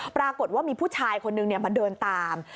ปรากฏว่ามีผู้ชายคนนึงมาเดินตาม